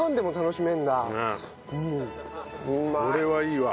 これはいいわ。